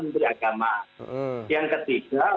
menteri agama yang ketiga